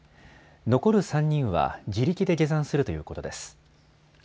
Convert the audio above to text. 残る３人は自力で下山するということです。